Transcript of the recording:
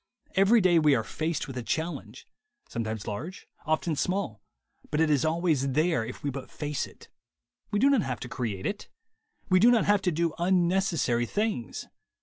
Every day we are faced w r ith a challenge, sometimes large, often small, but it is always there if we but face it. We do not have to create it. We do not have to do unnecessary things.